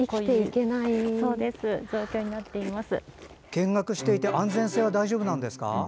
見学していて安全性は大丈夫なんですか？